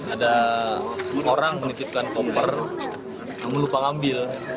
ada orang menikipkan koper namun lupa ngambil